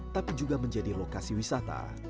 tapi juga menjadi lokasi wisata